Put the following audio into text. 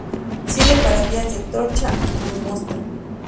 Sirve para vías de trocha angosta.